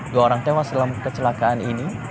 dua orang tewas dalam kecelakaan ini